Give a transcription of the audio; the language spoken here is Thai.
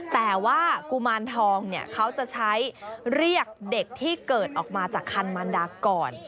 แต่ว่ากุมารทองเนี่ยเขาจะใช้เรียกเด็กที่เกิดออกมาจากคันมารดาก่อน